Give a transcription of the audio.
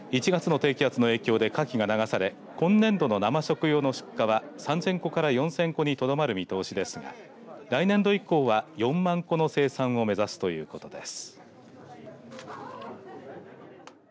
１月の低気圧の影響でかきが流され今年度の生食用の出荷は３０００個から４０００個にとどまる見通しですが来年度以降は４万個の生産を目指すということです。